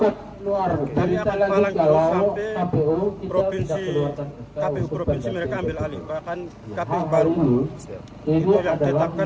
kami akan palang sampai kpu provinsi mereka ambil alihkan